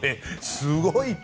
すごいと。